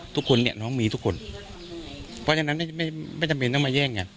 ทุกคนเนี่ยน้องมีทุกคนเพราะฉะนั้นไม่ไม่จำเป็นต้องมาแย่งไง